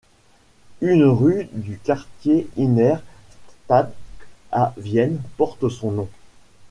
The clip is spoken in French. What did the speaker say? Une rue du quartier Innere Stadt à Vienne porte son nom.